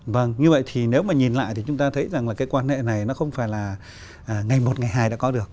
vâng như vậy thì nếu mà nhìn lại thì chúng ta thấy rằng là cái quan hệ này nó không phải là ngày một ngày hai đã có được